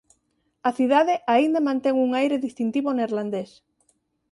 A cidade aínda mantén un aire distintivo neerlandés.